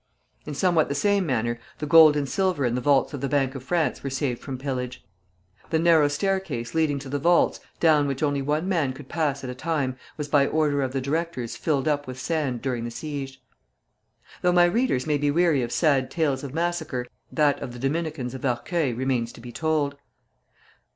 In somewhat the same manner the gold and silver in the vaults of the Bank of France were saved from pillage. The narrow staircase leading to the vaults, down which only one man could pass at a time, was by order of the directors filled up with sand during the siege. Though my readers may be weary of sad tales of massacre, that of the Dominicans of Arceuil remains to be told.